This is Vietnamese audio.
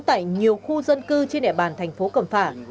tại nhiều khu dân cư trên đệ bàn thành phố cầm phả